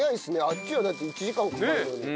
あっちはだって１時間かかるのに。